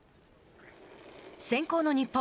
先攻の日本。